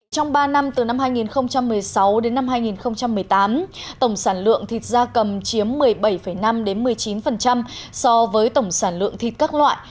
trong ba năm từ năm hai nghìn một mươi sáu đến năm hai nghìn một mươi tám tổng sản lượng thịt da cầm chiếm một mươi bảy năm một mươi chín so với tổng sản lượng thịt các loại